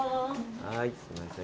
はいすいません。